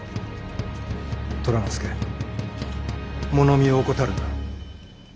虎之助物見を怠るな。